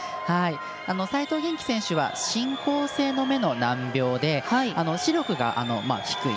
齋藤元希選手は進行性の目の難病で視力が低い。